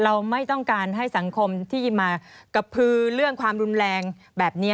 เราไม่ต้องการให้สังคมที่มากระพือเรื่องความรุนแรงแบบนี้